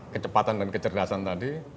kecepatan dan kecerdasan tadi